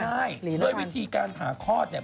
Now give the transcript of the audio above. ใช่ด้วยวิธีการผ่าคลอดเนี่ย